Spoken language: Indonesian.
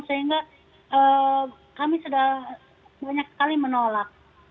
sehingga kami sudah banyak sekali menolak